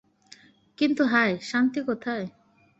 কিন্তু হায়, শান্তি কোথায়।